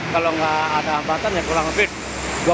kalau nggak ada hambatan ya pulang lebih dua puluh jam lah